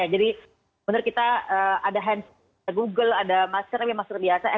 jadi kita ada google ada masker tapi masker biasa